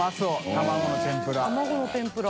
卵の天ぷら。